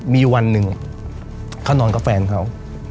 มีวันหนึ่งเขานอนกับแฟนเขา